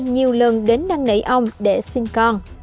nhiều lần đến năng nỉ ông để sinh con